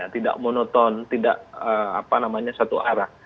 tidak monoton tidak satu arah